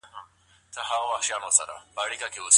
موږ باید په خپلو زړونو کې د مینې ډیوې بلې وساتو.